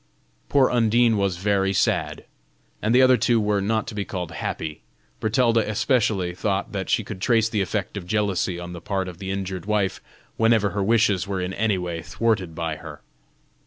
Poor Undine was very sad, and the other two were not to be called happy. Bertalda especially thought that she could trace the effect of jealousy on the part of the injured wife whenever her wishes were in any way thwarted by her.